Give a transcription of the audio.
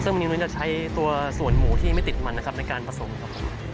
ซึ่งเมนูจะใช้ตัวส่วนหมูที่ไม่ติดมันนะครับในการผสมครับผม